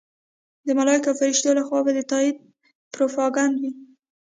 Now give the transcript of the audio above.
د ملایکو او فرښتو لخوا به د تایید پروپاګند وي.